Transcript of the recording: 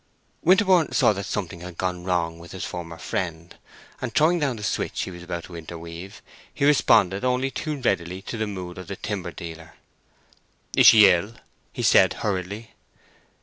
Winterborne saw that something had gone wrong with his former friend, and throwing down the switch he was about to interweave, he responded only too readily to the mood of the timber dealer. "Is she ill?" he said, hurriedly.